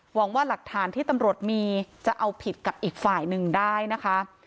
หวังว่าหลักฐานที่ตำรวจมีจะเอาผิดกับอีกฝ่ายหนึ่งได้นะคะ